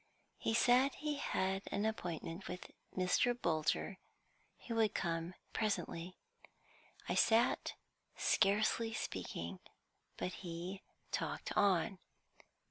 He said he had an appointment with Mr. Bolter, who would come presently. I sat scarcely speaking, but he talked on.